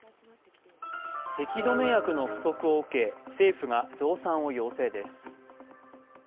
せき止め薬の不足を受け政府が増産を要請です。